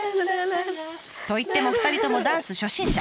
といっても２人ともダンス初心者。